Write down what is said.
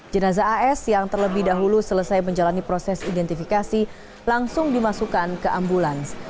jenazah as yang terlebih dahulu selesai menjalani proses identifikasi langsung dimasukkan ke ambulans